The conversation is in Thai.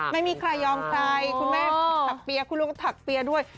ไม่มีใครยอมใครคุณแม่ถักเปียคุณลุงก็ถักเปียด้วย